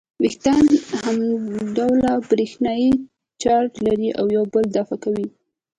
وېښتان همډوله برېښنايي چارج لري او یو بل دفع کوي.